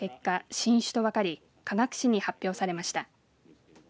新種と分かり科学誌に発表されました。